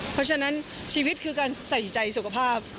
เพราะฉะนั้นชีวิตคือการใส่ใจสุขภาพ